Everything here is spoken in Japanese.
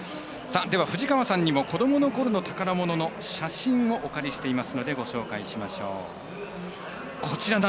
では、藤川さんにも子どもの頃の宝物の写真をお借りしていますのでご紹介しましょう。